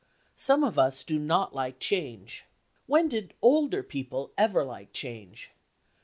Some of us do not like change. When did older people ever like change?